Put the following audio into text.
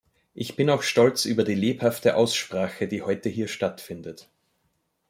Ich bin auch stolz über die lebhafte Aussprache, die heute hier stattfindet.